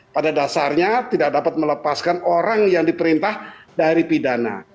pada dasarnya tidak dapat melepaskan orang yang diperintah dari pidana